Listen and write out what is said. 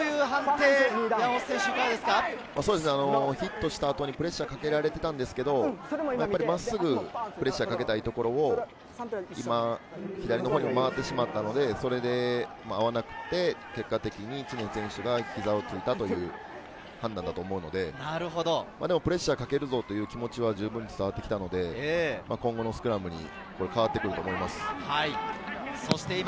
ヒットした後にプレッシャーをかけられていたんですけれど、真っすぐプレッシャーをかけたいところを左のほうに回ってしまったので、合わなくて結果的に知念選手が膝をついたという判断だと思うので、プレッシャーをかけるぞという気持ちはじゅうぶん伝わってきたので、今後のスクラムにも変わってくると思います。